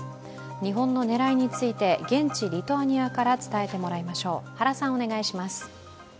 日本の狙いについて、現地リトアニアから伝えてもらいましょう。